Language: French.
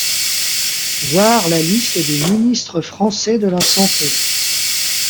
Voir la liste des ministres français de la Santé.